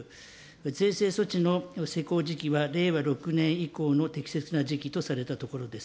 税制措置の施行時期は令和６年以降の適切な時期とされたところです。